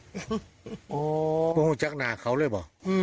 คงครูแจ๊ะกหน้าเค้าเลยบ่อ